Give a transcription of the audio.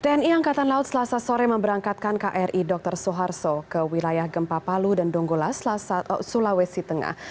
tni angkatan laut selasa sore memberangkatkan kri dr soeharto ke wilayah gempa palu dan donggola sulawesi tengah